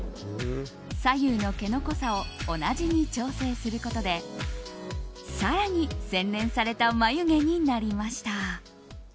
左右の毛の濃さを同じに調整することで更に洗練された眉毛になりました。